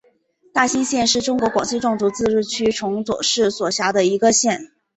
大新县是中国广西壮族自治区崇左市所辖的一个县。